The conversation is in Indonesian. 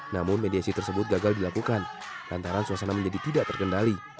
namun mediasi tersebut gagal dilakukan lantaran suasana menjadi tidak terkendali